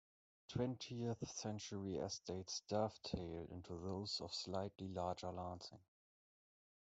Twentieth century estates dovetail into those of slightly larger Lancing.